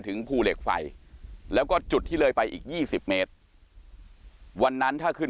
ภูเหล็กไฟแล้วก็จุดที่เลยไปอีก๒๐เมตรวันนั้นถ้าขึ้น